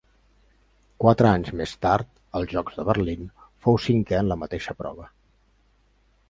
Quatre anys més tard, als Jocs de Berlín, fou cinquè en la mateixa prova.